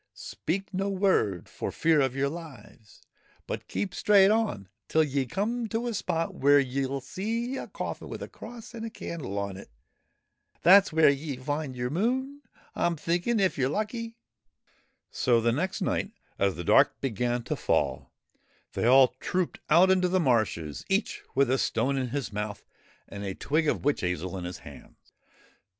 Speak no word, for fear of your lives, but keep straight on till ye come to a spot where ye '11 see a coffin with a cross and a candle on it. That's where ye '11 find your Moon, I 'm thinking, if ye 're lucky. So the next night as the dark began to fall they all trooped out into the marshes, each with a stone in his mouth and a twig of the 12 THE BURIED MOON witch hazel in his hands.